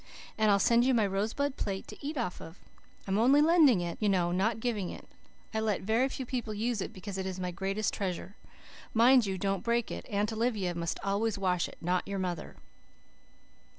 And I'll send you my rosebud plate to eat off of. I'm only lending it, you know, not giving it. I let very few people use it because it is my greatest treasure. Mind you don't break it. Aunt Olivia must always wash it, not your mother.